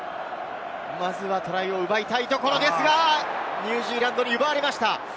まずはトライを奪いたいところですが、ニュージーランドに奪われました。